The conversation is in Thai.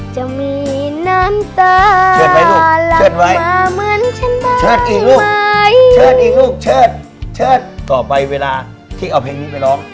จะมีน้ำตาหล่ำมาเหมือนฉันได้ไหม